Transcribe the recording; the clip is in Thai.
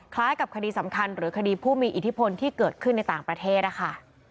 คล้ายกับคดีสำคัญหรือคดีผู้มีอิทธิพลที่เกิดขึ้นในต่างประเทศนะคะ